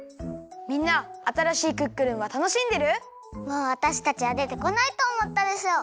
もうわたしたちはでてこないとおもったでしょ！？